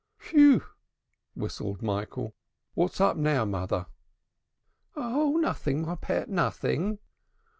"Phew!" whistled Michael. "What's up now, mother?" "Nothing, my pet, nothing."